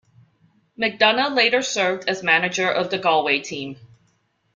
McDonagh later served as manager of the Galway team.